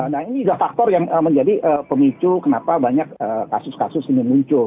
nah ini juga faktor yang menjadi pemicu kenapa banyak kasus kasus ini muncul